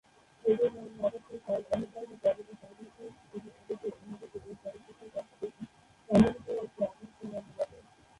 যদিও মূল নাটকটির কাল অনির্ধারিত, তবে তা সংগঠিত হয়েছে সুদূর অতীতে, অন্যদিকে এই চলচ্চিত্রের গল্পটির সংগঠিত হয়েছে আধুনিক সময়ের ভারতে।